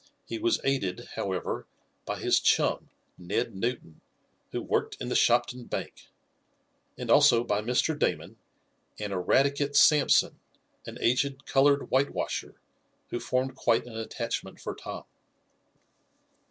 He was aided, however, by his chum, Ned Newton, who worked in the Shopton Bank, and also by Mr. Damon and Eradicate Sampson, an aged colored whitewasher, who formed quite an attachment for Tom.